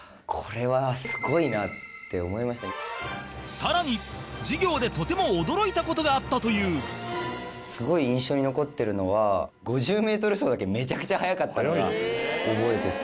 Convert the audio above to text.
更に、授業でとても驚いた事があったというすごい印象に残ってるのは５０ｍ走だけ、めちゃくちゃ速かったのが覚えてて。